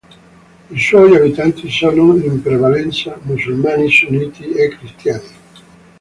I suoi abitanti sono in prevalenza musulmani sunniti e cristiani.